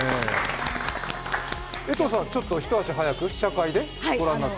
江藤さん、一足早く試写会でご覧になって？